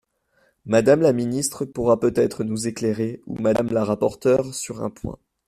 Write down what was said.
Madame la ministre pourra peut-être nous éclairer, ou Madame la rapporteure, sur un point.